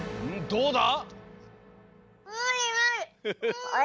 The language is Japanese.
どうだ？